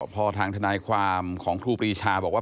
พอทางทนายความของครูปรีชาบอกว่า